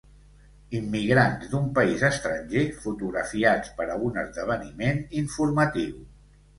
Immigrants d'un país estranger fotografiats per a un esdeveniment informatiu.